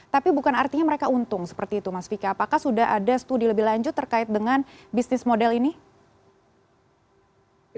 tapi bukan artinya mereka untung seperti itu mas vicky apakah sudah ada studi lebih lanjut terkait dengan bisnis model ini